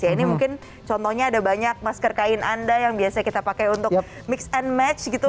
ya ini mungkin contohnya ada banyak masker kain anda yang biasa kita pakai untuk mix and match gitu